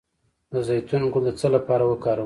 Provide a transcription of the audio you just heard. د زیتون ګل د څه لپاره وکاروم؟